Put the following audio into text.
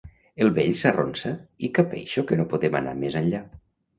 El vell s'arronsa i capeixo que no podem anar més enllà.